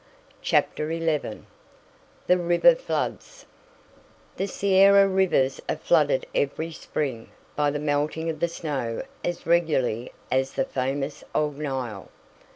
CHAPTER XI THE RIVER FLOODS The Sierra rivers are flooded every spring by the melting of the snow as regularly as the famous old Nile.